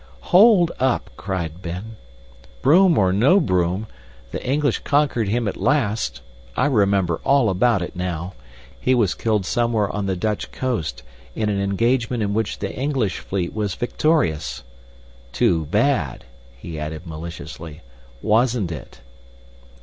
"Hold up!" cried Ben. "Broom or no broom, the English conquered him at last. I remember all about it now. He was killed somewhere on the Dutch coast in an engagement in which the English fleet was victorious. Too bad," he added maliciously, "wasn't it?"